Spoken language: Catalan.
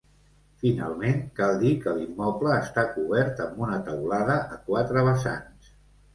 Finalment, cal dir que l'immoble està cobert amb una teulada a quatre vessants.